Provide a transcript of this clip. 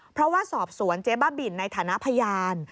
เพราะว่าสอบสวนเจ๊บ้าบินในฐานะพยาน